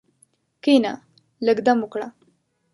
کښېنه، لږ دم وکړه.